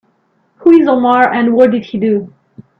Who is Omar and what did he do?